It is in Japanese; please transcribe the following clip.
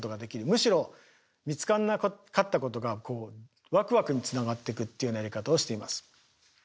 むしろ見つからなかったことがこうワクワクにつながっていくっていうやり方をしています。